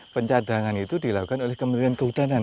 pencadangan itu dilakukan oleh kementerian kehutanan